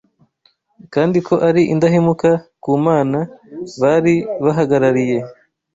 kandi ko ari indahemuka ku Mana bari bahagarariye